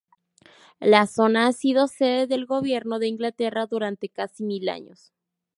La zona ha sido sede del gobierno de Inglaterra durante casi mil años.